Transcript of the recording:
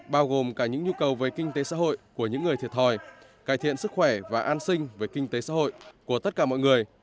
bao gồm cả những nhu cầu về kinh tế xã hội của những người thiệt thòi cải thiện sức khỏe và an sinh về kinh tế xã hội của tất cả mọi người